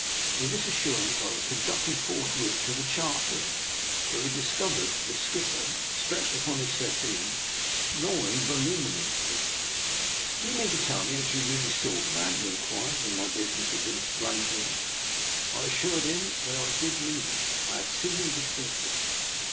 With this assurance I was conducted forth with to the chart room, where we discovered the skipper stretched upon his settee, snoring voluminously. " Do you mean to tell me that you really I02 I>R NIKOLA'S EXPERIMENT. saw the man? " he inquired, when my busi ness had been explained to him. I assured him that I did mean it. I had seen him distinctly.